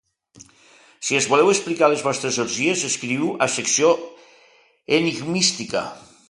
Si ens voleu explicar les vostres orgies, escriviu a Secció Enigmística.